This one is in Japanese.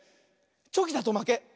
チョキだとまけ。